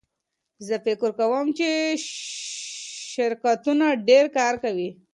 زه فکر کوم چې شرکتونه ډېر کار کوي.